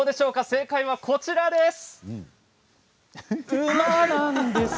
正解はこちらです。